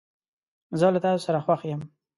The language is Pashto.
زه له تاسو سره خوښ یم.